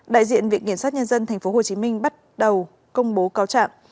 đại diện viện kiểm sát nhân dân tp hcm bắt đầu công bố cáo trạng